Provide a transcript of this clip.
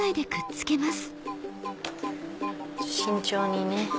慎重にね。